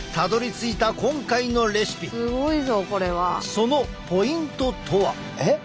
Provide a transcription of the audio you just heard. そのポイントとは。